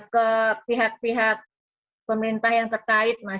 ke pihak pihak pemerintah yang terkait mas